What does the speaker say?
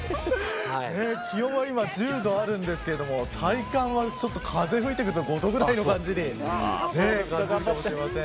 気温は今１０度あるんですけど体感は、ちょっと風が吹いてくると５度くらいな感じです。